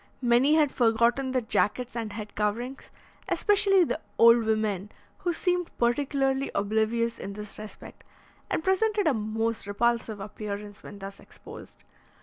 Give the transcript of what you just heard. Many had forgotten their jackets and head coverings, especially the old women, who seemed particularly oblivious in this respect, and presented a most repulsive appearance when thus exposed.